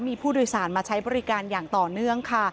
มีผู้โดยสารมาใช้บริการอย่างต่อเนื่องค่ะ